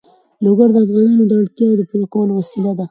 لوگر د افغانانو د اړتیاوو د پوره کولو وسیله ده.